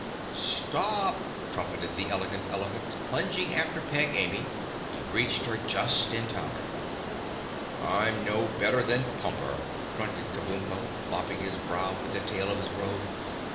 "Stop!" trumpeted the Elegant Elephant, plunging after Peg Amy. He reached her just in time. "I'm no better than Pumper," grunted Kabumpo, mopping his brow with the tail of his robe.